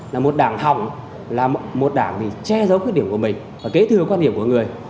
là một đảng hỏng là một đảng bị che giấu khuyết điểm của mình và kế thừa quan điểm của người